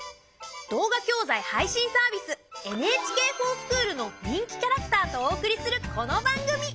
動画教材配信サービス「ＮＨＫｆｏｒＳｃｈｏｏｌ」の人気キャラクターとお送りするこの番組。